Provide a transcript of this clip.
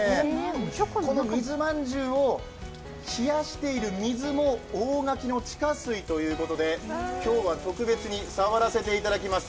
この水まんじゅうを冷やしている水も大垣の地下水ということで今日は特別に触らせていただきます。